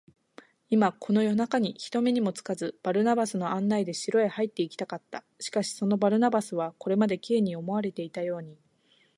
今、この夜なかに、人目にもつかず、バルナバスの案内で城へ入っていきたかった。しかし、そのバルナバスは、これまで Ｋ に思われていたように、